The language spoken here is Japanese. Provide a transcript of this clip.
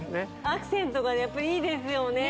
アクセントがやっぱいいですよね